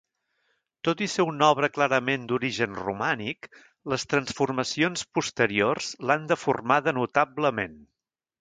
Tot i ser una obra clarament d'origen romànic, les transformacions posteriors l'han deformada notablement.